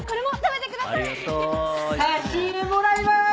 差し入れもらいます！